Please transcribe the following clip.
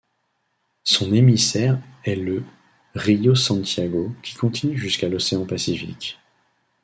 Son émissaire est le Río Santiago qui continue jusqu'à l'Océan Pacifique.